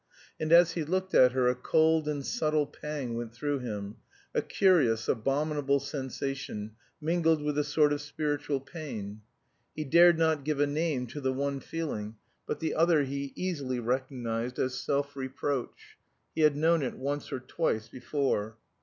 And as he looked at her a cold and subtle pang went through him, a curious abominable sensation, mingled with a sort of spiritual pain. He dared not give a name to the one feeling, but the other he easily recognized as self reproach. He had known it once or twice before.